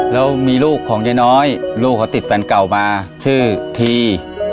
แล้วมีลูกของยายน้อยลูกเขาติดแฟนเก่ามาชื่อที